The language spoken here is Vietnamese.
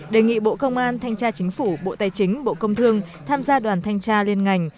đề nghị bộ công an thanh tra chính phủ bộ tài chính bộ công thương tham gia đoàn thanh tra liên ngành